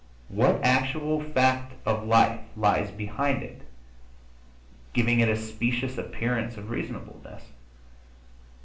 What actual fact of life lies behind it, giving it a specious appearance of reasonableness?